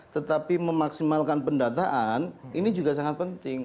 tetapi memaksimalkan pendataan ini juga sangat penting